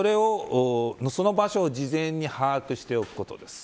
その場所を事前に把握しておくことです。